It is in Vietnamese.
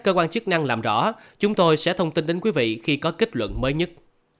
cơ quan chức năng làm rõ chúng tôi sẽ thông tin đến quý vị khi có kết luận mới nhất